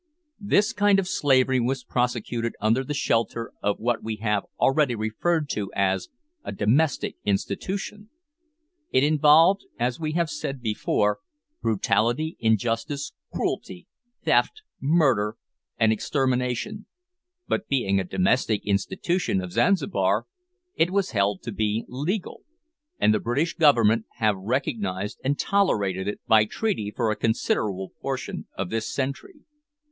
This kind of slavery was prosecuted under the shelter of what we have already referred to as a domestic institution! It involved, as we have said before, brutality, injustice, cruelty, theft, murder, and extermination, but, being a domestic institution of Zanzibar, it was held to be legal, and the British Government have recognised and tolerated it by treaty for a considerable portion of this century!